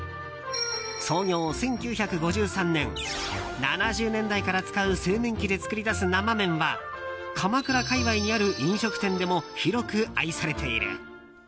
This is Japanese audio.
創業１９５３年７０年代から使う製麺機で作り出す生麺は鎌倉界隈にある飲食店でも広く愛されている。